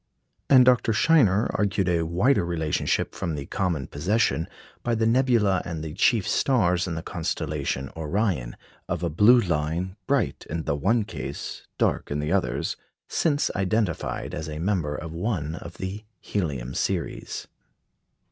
And Dr. Scheiner argued a wider relationship from the common possession, by the nebula and the chief stars in the constellation Orion, of a blue line, bright in the one case, dark in the others, since identified as a member of one of the helium series.